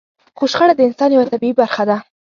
خو شخړه د انسان يوه طبيعي برخه ده.